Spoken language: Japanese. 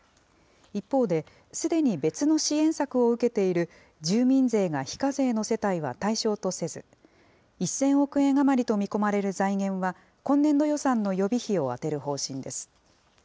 一方で、すでに別の支援策を受けている住民税が非課税の世帯は対象とせず、１０００億円余りと見込まれる財源は、今年度予算の予備費を充てる方針です。